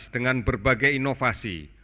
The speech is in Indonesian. dengan berbagai inovasi